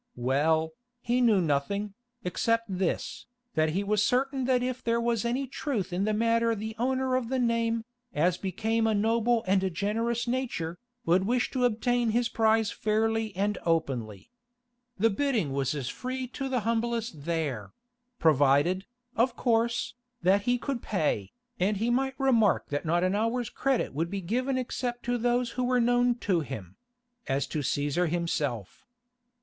Well, he knew nothing, except this, that he was certain that if there was any truth in the matter the owner of the name, as became a noble and a generous nature, would wish to obtain his prize fairly and openly. The bidding was as free to the humblest there—provided, of course, that he could pay, and he might remark that not an hour's credit would be given except to those who were known to him—as to Cæsar himself.